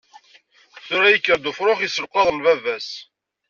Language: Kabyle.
Tura yekker-d ufrux yesselqaḍen baba-s.